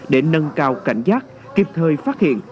để nâng cao cảnh giác kịp thời phát hiện